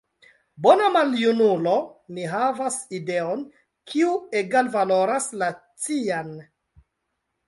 «Bona maljunulo», mi havas ideon, kiu egalvaloras la cian.